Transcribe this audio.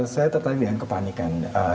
saya tertarik dengan kepanikan